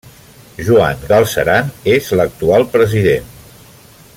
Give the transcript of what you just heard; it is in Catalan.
Joan Galceran és l'actual president.